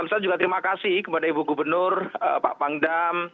saya juga terima kasih kepada ibu gubernur pak pangdam